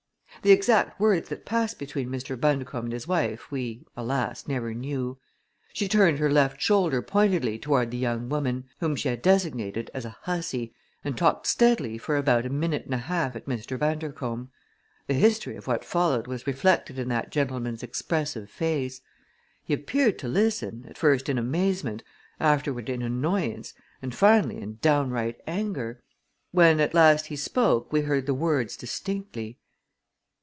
The exact words that passed between Mr. Bundercombe and his wife we, alas! never knew. She turned her left shoulder pointedly toward the young woman, whom she had designated as a hussy, and talked steadily for about a minute and a half at Mr. Bundercombe. The history of what followed was reflected in that gentleman's expressive face. He appeared to listen, at first in amazement, afterward in annoyance, and finally in downright anger. When at last he spoke we heard the words distinctly.